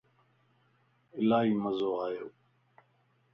الائي مزو آيوو